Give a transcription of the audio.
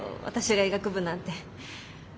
私が医学部なんて。